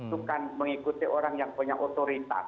bukan mengikuti orang yang punya otoritas